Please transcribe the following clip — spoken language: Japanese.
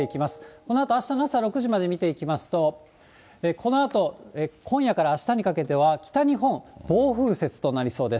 このあと、あしたの朝６時まで見ていきますと、このあと今夜からあしたにかけては、北日本、暴風雪となりそうです。